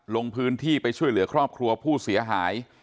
ลงพื้นที่ไปช่วยเหลือครอบครัวผู้เสียหาย